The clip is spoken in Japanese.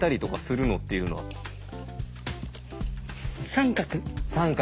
三角。